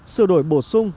sửa đổi bổ sung